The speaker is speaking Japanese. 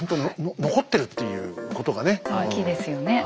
大きいですよね。